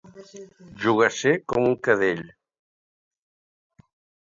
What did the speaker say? Jogasser com un cadell.